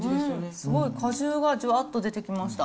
すごい果汁がじゅわっと出てきました。